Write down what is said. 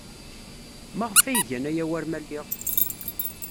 Maɣef ay gan aya war ma lliɣ?